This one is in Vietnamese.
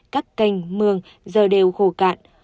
các canh mương giờ đều khổ cạn